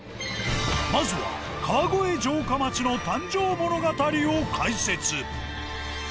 まずは川越城下町の誕生物語を解説。